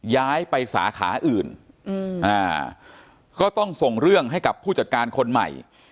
ย้ายไปสาขาอื่นก็ต้องส่งเรื่องให้กับผู้จัดการคนใหม่